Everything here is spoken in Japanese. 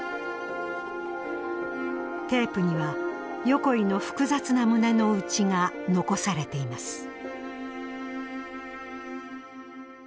テープには横井の複雑な胸の内が遺されています。